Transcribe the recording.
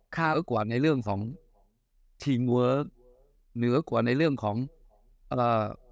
มากกว่าในเรื่องของทีมเวิร์คเหนือกว่าในเรื่องของเอ่อ